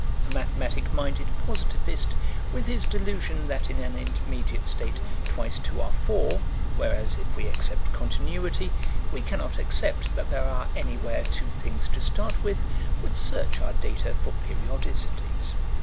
A mathematic minded positivist, with his delusion that in an intermediate state twice two are four, whereas, if we accept Continuity, we cannot accept that there are anywhere two things to start with, would search our data for periodicities.